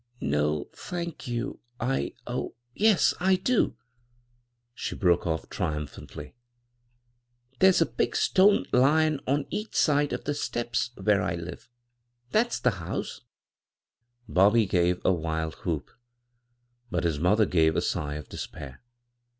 "No, thank you, I— oh, yes I do," she teoke off triumphandy ; "tiiere's a big stone lion on each side of the steps where I live. That's the house I " BoU>y gave a wild whoop, but his mother gave a sigh of despair.